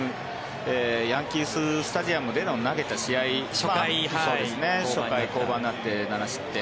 ヤンキー・スタジアムで投げた試合初回、降板になって７失点。